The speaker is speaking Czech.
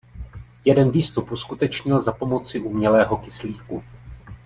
Jeden výstup uskutečnil za pomoci umělého kyslíku.